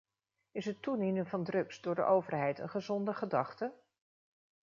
Is het toedienen van drugs door de overheid een gezonde gedachte?